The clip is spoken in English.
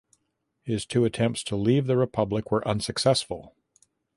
His two attempts to leave the republic were unsuccessful.